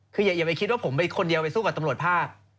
คืออย่าไปคิดว่าผมไปคนเดียวไปสู้กับตำรวจภาค